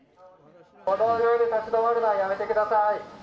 歩道上で立ち止まるのはやめてください。